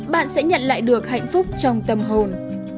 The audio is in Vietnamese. bạn sẽ nhận lại được hạnh phúc trong tâm hồn